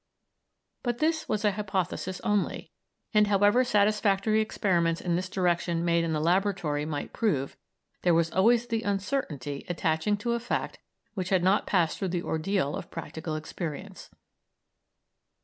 But this was a hypothesis only, and, however satisfactory experiments in this direction made in the laboratory might prove, there was always the uncertainty attaching to a fact which had not passed through the ordeal of practical experience.